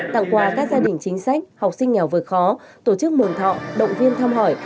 tặng quà các gia đình chính sách học sinh nghèo vượt khó tổ chức mường thọ động viên thăm hỏi